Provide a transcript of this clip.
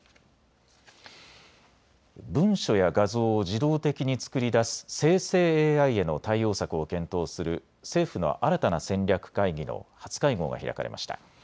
文書や画像を自動的に作り出す生成ＡＩへの対応策を検討する政府の新たな戦略会議の初会合が開かれました。